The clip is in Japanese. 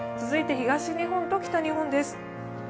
続いて東日本と北日本です。